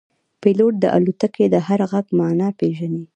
پیلوټ د الوتکې د هر غږ معنا پېژني.